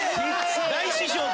大師匠と！？